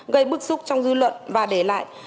gây bức xúc trong dư luận và để lại